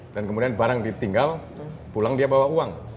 dan kemudian barang ditinggal pulang dia bawa uang